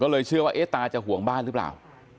ก็เลยเชื่อว่าตาจะห่วงบ้านหรือเปล่า